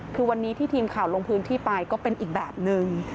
คือวันนี้ที่ทีมข่าวลงพื้นที่ไปก็เป็นอีกแบบนึง